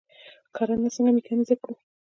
کرنه څنګه میکانیزه کړو؟